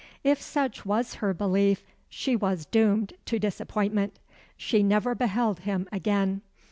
If such was her belief, she was doomed to disappointment. She never beheld him again.